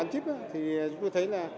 thì tôi thấy là